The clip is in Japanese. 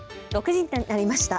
６時になりました。